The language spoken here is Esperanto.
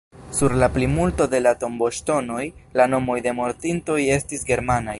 Sur la plimulto de la tomboŝtonoj, la nomoj de mortintoj estis germanaj.